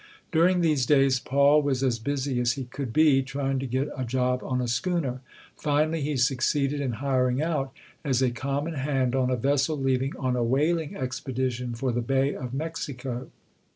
During these days, Paul was as busy as he could be trying to get a job on a schooner. Final ly, he succeeded in hiring out as a common hand on a vessel leaving on a whaling expedition for the Bay of Mexico.